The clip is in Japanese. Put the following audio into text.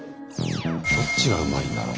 どっちがうまいんだろう？